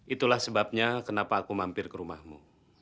itulah sebabnya kenapa aku mampir ke rumahmu